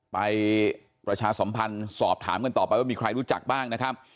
ประชาสัมพันธ์สอบถามกันต่อไปว่ามีใครรู้จักบ้างนะครับ